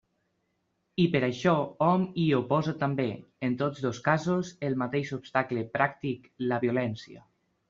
I per això hom hi oposa també, en tots dos casos, el mateix obstacle pràctic, la violència.